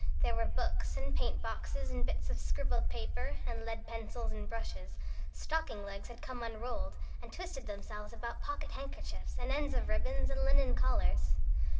There were books and paint boxes and bits of scribbled paper, and lead pencils and brushes. Stocking legs had come unrolled, and twisted themselves about pocket handkerchiefs, and ends of ribbon, and linen collars.